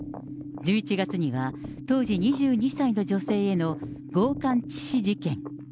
１１月には、当時２２歳の女性への強かん致死事件。